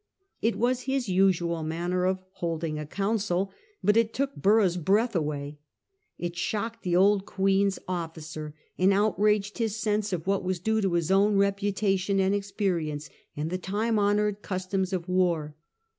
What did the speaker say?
It was his usual manner of holding a council, but it took Borough's breath away. It shocked the old Queen's oflicer, and out raged his sense of what was due to his own reputation and experience, and the time honoured customs of war.